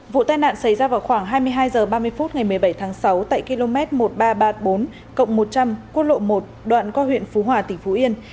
vụ tai nạn xảy ra vào khoảng hai mươi hai h ba mươi phút ngày một mươi bảy tháng sáu tại km một nghìn ba trăm ba mươi bốn một trăm linh quốc lộ một đoạn qua huyện phú hòa tỉnh phú yên